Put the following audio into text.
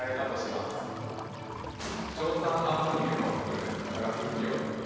硝酸アンモニウムを含む化学肥料。